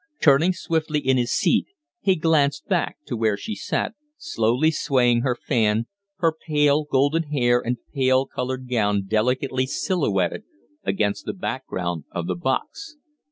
Turning swiftly in his seat, he glanced back to where she sat, slowly swaying her fan, her pale, golden hair and her pale colored gown delicately silhouetted against the background of the box.